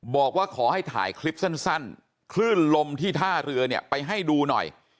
บอกว่าขอให้ถ่ายคลิปสั้นคลื่นลมที่ท่าเรือเนี่ยไปให้ดูหน่อย